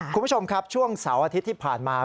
คุณผู้ชมครับช่วงเสาร์อาทิตย์ที่ผ่านมา